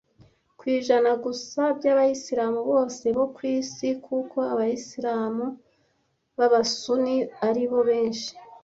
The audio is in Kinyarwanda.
ku ijana gusa by’Abisilamu bose bo ku isi, kuko Abisilamu b’Abasuni ari bo benshi